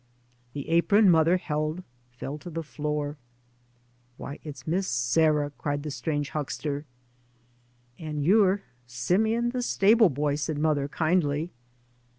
The apron mother held fell to the floor. " Why, it's Miss Sarah," cried the strange huckster. " And you're Simeon the stable boy," said mother kindly.